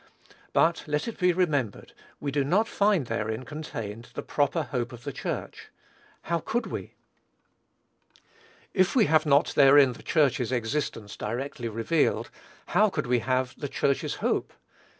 But let it be remembered, we do not find therein contained the proper hope of the Church. How could we? If we have not therein the Church's existence directly revealed, how could we have the Church's hope?